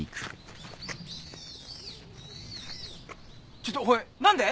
ちょっとおい何で？